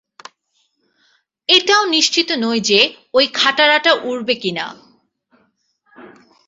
এটাও নিশ্চিত নই যে, ঐ খাটাড়াটা উড়বে কিনা।